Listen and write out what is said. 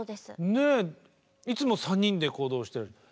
ねえいつも３人で行動してる。